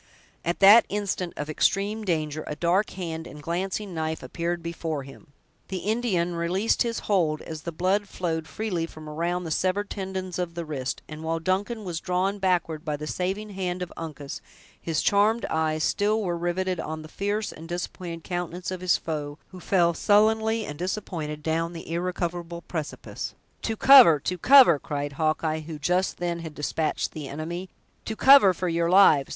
At that instant of extreme danger, a dark hand and glancing knife appeared before him; the Indian released his hold, as the blood flowed freely from around the severed tendons of the wrist; and while Duncan was drawn backward by the saving hand of Uncas, his charmed eyes still were riveted on the fierce and disappointed countenance of his foe, who fell sullenly and disappointed down the irrecoverable precipice. "To cover! to cover!" cried Hawkeye, who just then had despatched the enemy; "to cover, for your lives!